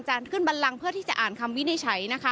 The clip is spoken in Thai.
ขึ้นบันลังเพื่อที่จะอ่านคำวินิจฉัยนะคะ